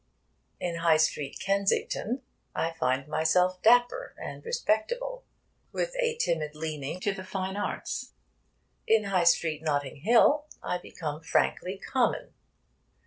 In High Street, Kensington, I find myself dapper and respectable, with a timid leaning to the fine arts. In High Street, Notting Hill, I become frankly common.